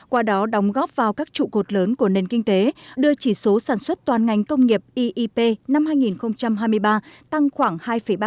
qua đó đóng góp vào các trụ cột lớn của nền kinh tế đưa chỉ số sản xuất toàn ngành công nghiệp eip năm hai nghìn hai mươi ba tăng khoảng hai ba